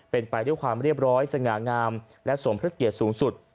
เป็นไปด้วยความเรียบร้อยสง่างามและสมพระเกียรติสูงสุด